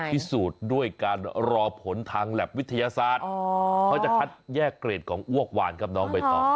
พิสูจน์ด้วยการรอผลทางแล็บวิทยาศาสตร์เขาจะคัดแยกเกรดของอ้วกวานครับน้องใบตอง